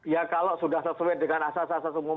ya kalau sudah sesuai dengan asas asas umum